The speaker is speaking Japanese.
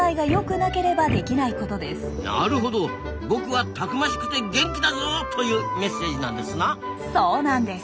なるほど「僕はたくましくて元気だぞ！」というメッセージなんですな。